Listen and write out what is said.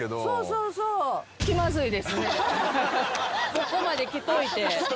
ここまで来といて。